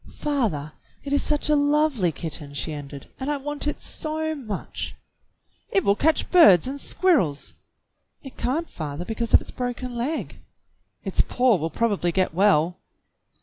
"Father, it is such a lovely kitten," she ended, "and I want it so much!" "It will catch birds and squirrels." "It can't, father, because of its broken leg." "Its paw will probably get well."